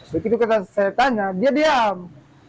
begitu saya tanya dia diam